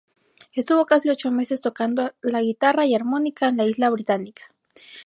Estuvo casi ocho meses tocando al guitarra y armónica en la isla británica.